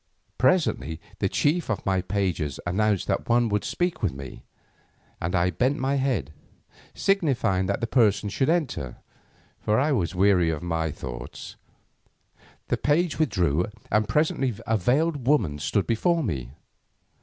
Presently the chief of my pages announced that one would speak with me, and I bent my head, signifying that the person should enter, for I was weary of my thoughts. The page withdrew, and presently a veiled woman stood before me.